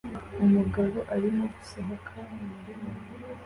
Umugabo arimo gusohoka mu murima